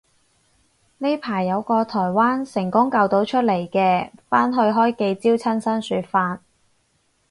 呢排台灣有個成功救到出嚟嘅返去開記招親身說法